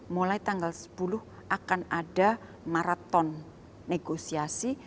mulai tanggal sepuluh akan ada maraton negosiasi